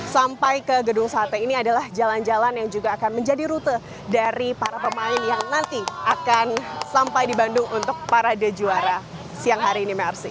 sampai ke gedung sate ini adalah jalan jalan yang juga akan menjadi rute dari para pemain yang nanti akan sampai di bandung untuk parade juara siang hari ini mersi